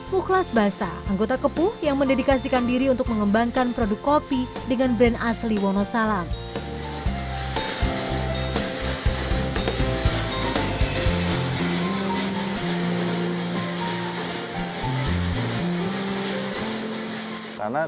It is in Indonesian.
mukhlas basah anggota kepuh yang mendedikasikan diri untuk mengembangkan produk kopi dengan brand asli wonosalam